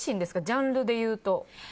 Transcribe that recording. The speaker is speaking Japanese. ジャンルでいうと。